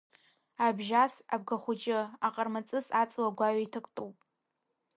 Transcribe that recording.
Абжьас Абгахәыҷы, Аҟармаҵыс аҵла гәаҩа иҭактәуп.